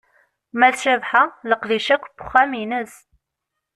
Ma d Cabḥa, leqdic akk n uxxam ines.